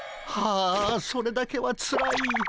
あそれだけはつらい。